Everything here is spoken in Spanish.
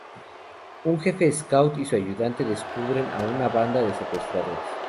Un jefe scout y su ayudante descubren a una banda de secuestradores.